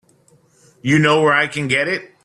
You know where I can get it?